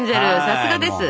さすがです。